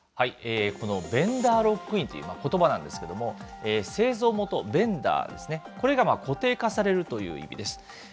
このベンダーロックインということばなんですけれども、製造元、ベンダーですね、これが固定化されるという意味です。